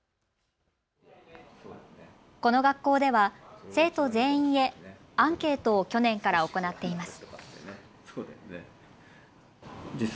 この学校では生徒全員へアンケートを去年から行っています。